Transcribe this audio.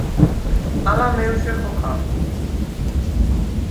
ალა მევჟე ხოხახ.